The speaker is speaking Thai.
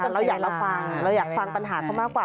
แต่เราอยากฟังเราอยากฟังปัญหาเขามากกว่า